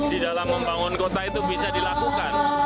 di dalam membangun kota itu bisa dilakukan